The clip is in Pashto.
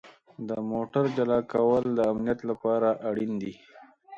د موټر جلا کول د امنیت لپاره اړین دي.